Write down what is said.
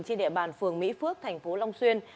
trên địa bàn phường mỹ phước thành phố long xuyên